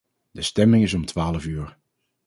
De stemming is om twaalf uur.